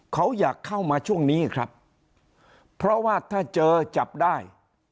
เขาอยากเข้ามาช่วงนี้ครับเพราะว่าถ้าเจอจับได้